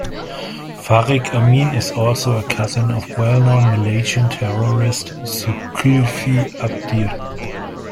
Farik Amin is also a cousin of well-known Malaysian terrorist Zulkifli Abdhir.